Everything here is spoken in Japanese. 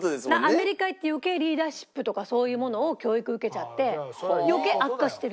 アメリカ行って余計リーダーシップとかそういうものを教育受けちゃって余計悪化してる。